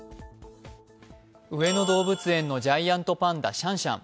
上野動物園のジャイアントパンダ、シャンシャン。